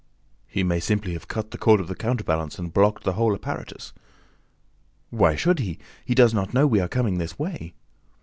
"He may simply have cut the cord of the counterbalance and blocked the whole apparatus." "Why should he? He does not know that we are coming this way!"